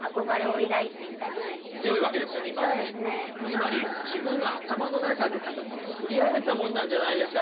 つまり自分の頭の中で作り上げたものなんじゃないですか？